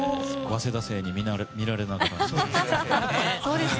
早稲田生に見られながら。